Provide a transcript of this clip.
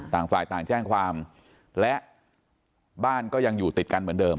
ต่างฝ่ายต่างแจ้งความและบ้านก็ยังอยู่ติดกันเหมือนเดิม